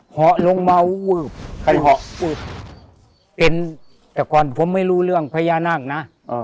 เหาะลงมาใครเหาะเป็นแต่ก่อนผมไม่รู้เรื่องพญานาคนะอ่า